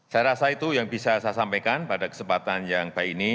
saya rasa itu yang bisa saya sampaikan pada kesempatan yang baik ini